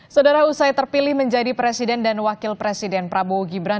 saudara usai terpilih menjadi presiden dan wakil presiden prabowo gibran